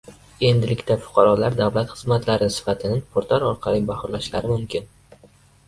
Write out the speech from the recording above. Endilikda fuqarolar davlat xizmatlari sifatini portal orqali baholashi mumkin